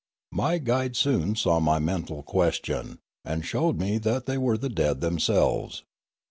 My guide soon saw my mental question, and showed me that they were the dead themselves.